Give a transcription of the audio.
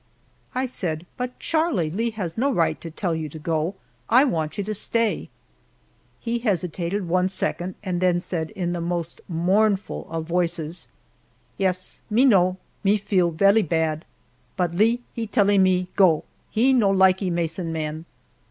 I said, "But, Charlie, Lee has no right to tell you to go; I want you to stay." He hesitated one second, then said in the most mournful of voices, "Yes, me know, me feel vellee blad, but Lee, he tellee me go he no likee mason man."